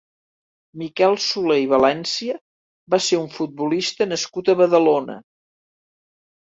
Miquel Soler i València va ser un futbolista nascut a Badalona.